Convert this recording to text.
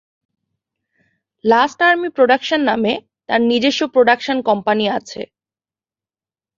Last army production নামে তার নিজস্ব প্রোডাকশন কোম্পানি আছে।